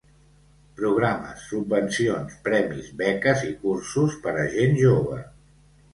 Programes, subvencions, premis, beques i cursos per a gent jove.